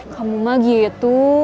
kamu mah gitu